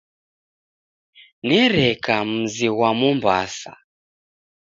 Nereka mzi ghwa Mombasa.